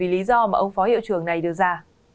lý do mà ông phó hiệu trưởng này đưa ra